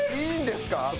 いいんですか？